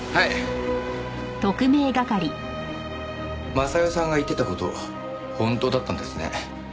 雅代さんが言ってた事本当だったんですね。